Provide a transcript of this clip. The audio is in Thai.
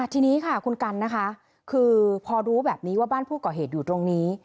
ทีนี้ค่ะคุณกันนะคะคือพอรู้แบบนี้ว่าบ้านผู้ก่อเหตุอยู่ตรงนี้